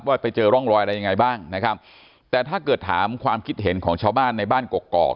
ว่าไปเจอร่องรอยอะไรยังไงบ้างนะครับแต่ถ้าเกิดถามความคิดเห็นของชาวบ้านในบ้านกกอก